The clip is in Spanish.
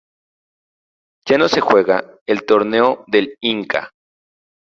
Ya no se juega el Torneo del Inca.